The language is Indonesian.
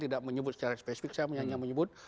tidak menyebut secara spesifik saya hanya menyebut